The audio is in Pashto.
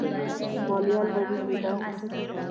ماليه لوړېږي نه.